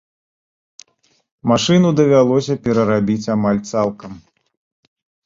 Машыну давялося перарабіць амаль цалкам.